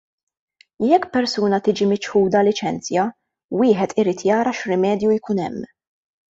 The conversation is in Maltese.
Jekk persuna tiġi miċħuda liċenzja, wieħed irid jara x'rimedju jkun hemm.